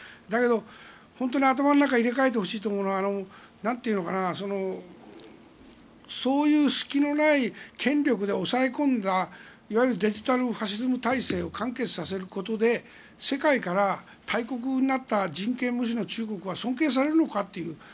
だけど、本当に頭の中を入れ替えてほしいと思うのはそういう隙のない権力で抑え込んだいわゆるデジタルファシズム体制を完結させることで世界から大国になった人権無視の中国は尊敬されるのかっていう。